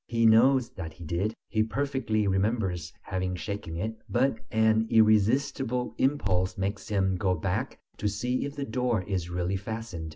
He knows that he did, he perfectly remembers having shaken it, but an irresistible impulse makes him go back to see if the door is really fastened.